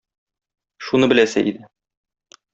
Шуны беләсе иде.